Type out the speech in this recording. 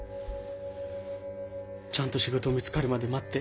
ちゃんと仕事見つかるまで待って。